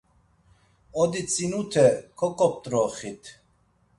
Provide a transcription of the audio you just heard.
Oditsinute koǩop̌t̆roxit.